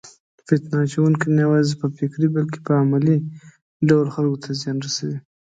فتنه اچونکي نه یوازې په فکري بلکې په عملي ډول خلکو ته زیان رسوي.